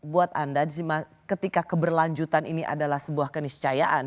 buat anda ketika keberlanjutan ini adalah sebuah keniscayaan